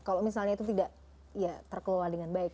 kalau misalnya itu tidak ya terkelola dengan baik